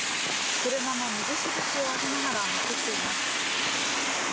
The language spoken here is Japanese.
車も水しぶきを上げながら走っています。